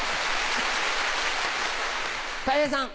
たい平さん。